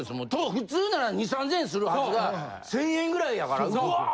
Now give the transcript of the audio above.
普通なら２０００３０００円するはずが１０００円ぐらいやからうわぁ！